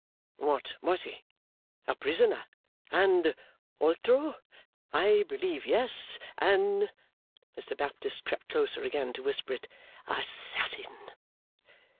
'What was he?' 'A prisoner, and Altro! I believe yes! an,' Mr Baptist crept closer again to whisper it, 'Assassin!